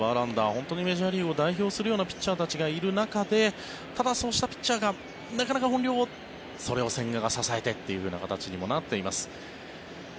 本当にメジャーリーグを代表するようなピッチャーたちがいる中でただ、そうしたピッチャーがなかなか本領をそれを千賀が支えてという形になっています。